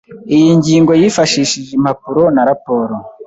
Iyi ngingo yifashishije impapuro na Raporo